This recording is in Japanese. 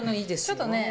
ちょっとね。